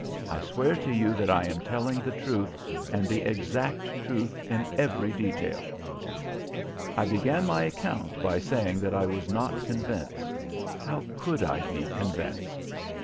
I swear to you that I am telling the truth and the exact truth in every detail." I began my account by saying that I was not convinced. How could I be convinced?